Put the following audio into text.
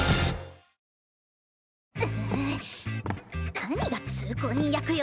何が通行人役よ。